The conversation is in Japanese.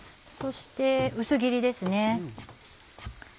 そして薄切りです。